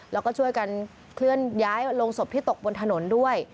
แล้วก็ช่วยกันเคลื่อนย้ายลงศพที่ตกบนถนนด้วย